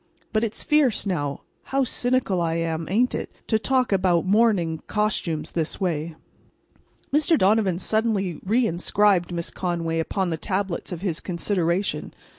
But it's fierce, now, how cynical I am, ain't it?—to talk about mourning costumes this way. Mr. Donovan suddenly reinscribed Miss Conway upon the tablets of his consideration.